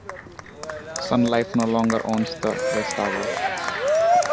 Sun Life no longer owns the West Tower.